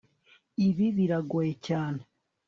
Ibi biragoye cyane